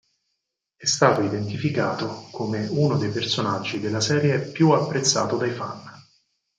È stato identificato come uno dei personaggi della serie più apprezzato dai fan.